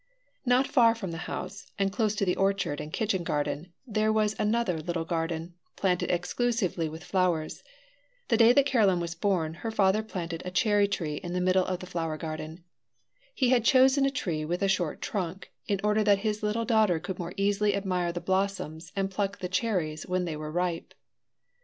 Not far from the house, and close to the orchard and kitchen garden, there was another little garden, planted exclusively with flowers. The day that Caroline was born her father planted a cherry tree in the middle of the flower garden. He had chosen a tree with a short trunk, in order that his little daughter could more easily admire the blossoms and pluck the cherries when they were ripe.